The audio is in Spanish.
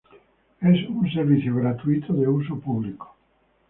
Es un servicio gratuito de uso público.